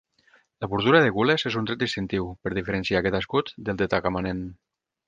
La bordura de gules és un tret distintiu, per diferenciar aquest escut del de Tagamanent.